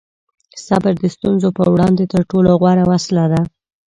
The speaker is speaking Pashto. صبر د ستونزو په وړاندې تر ټولو غوره وسله ده.